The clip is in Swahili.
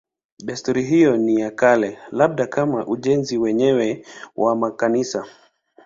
Desturi hiyo ni ya kale, labda kama ujenzi wenyewe wa makanisa.